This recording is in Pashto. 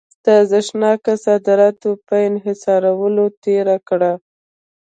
د ارزښتناکه صادراتو په انحصارولو تېره کړه.